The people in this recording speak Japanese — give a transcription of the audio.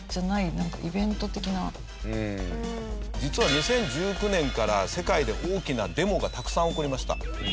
実は２０１９年から世界で大きなデモがたくさん起こりました。